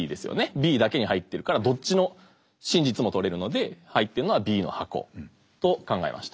Ｂだけに入ってるからどっちの真実もとれるので入ってるのはＢの箱と考えました。